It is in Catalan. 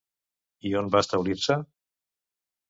I on va establir-se?